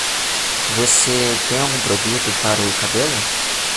Você tem algum produto para o cabelo?